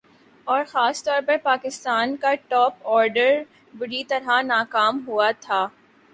اور خاص طور پر پاکستان کا ٹاپ آرڈر بری طرح ناکام ہوا تھا